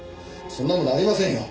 そんなものありませんよ。